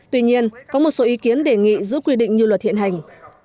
tuy nhiên có một số ý kiến đề nghị giữ quy định như luật hiện hành